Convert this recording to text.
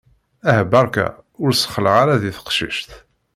Aha barka ur ssexlaɛ ara di teqcict!